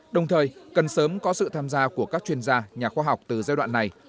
đồng thời cần sớm có sự tham gia của các chuyên gia nhà khoa học từ giai đoạn này